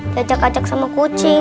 dijajak ajak sama kucing